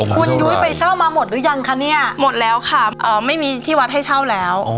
คุณยุ้ยไปเช่ามาหมดหรือยังคะเนี่ยหมดแล้วค่ะไม่มีที่วัดให้เช่าแล้ว